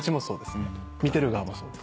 見てる側もそうですはい。